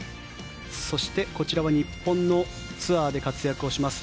そして、こちらは日本のツアーで活躍をします